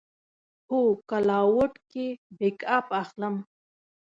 هو، کلاوډ کې بیک اپ اخلم